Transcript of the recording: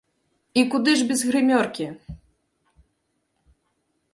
І куды ж без грымёркі!